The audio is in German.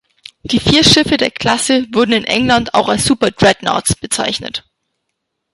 Die vier Schiffe der Klasse wurden in England auch als Super-Dreadnoughts bezeichnet.